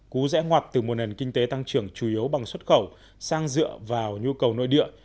cú rẽ ngoặt từ một nền kinh tế tăng trưởng chủ yếu bằng xuất khẩu sang dựa vào nhu cầu nội địa